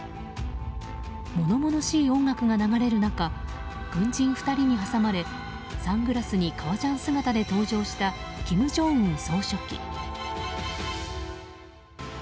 物々しい音楽が流れる中軍人２人に挟まれサングラスに革ジャン姿で登場した、金正恩総書記。